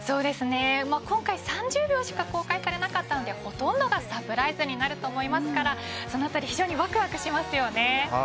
今回３０秒しか公開されなかったのでほとんどがサプライズになると思いますからそのあたりひじょうにわくわくします。